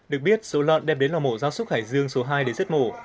được biết số lợn đem đến lò mổ gia súc hải dương số hai để giết mổ